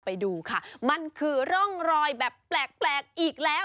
ไปดูค่ะมันคือร่องรอยแบบแปลกอีกแล้ว